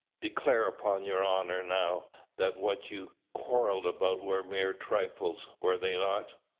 declare upon your honour now, that what you quarrelled about were mere trifles, were they not?